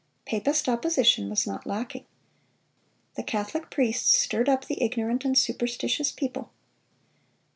Papist opposition was not lacking. The Catholic priests stirred up the ignorant and superstitious people.